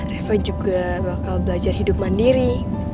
reva juga bakal belajar hidup mandiri